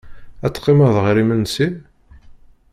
Ad teqqimeḍ ɣer imensi?